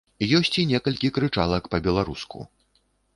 Ёсць і некалькі крычалак па-беларуску.